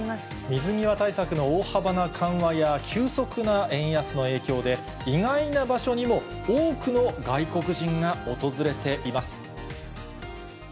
水際対策の大幅な緩和や、急速な円安の影響で、意外な場所にも多くの外国人が訪れています。